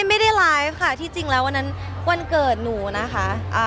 ไม่ได้รายล่ะค่ะที่จริงไว้วันเกิดหนูค่ะ